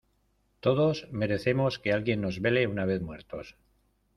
todos merecemos que alguien nos vele una vez muertos.